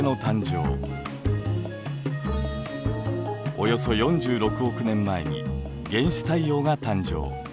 およそ４６億年前に原始太陽が誕生。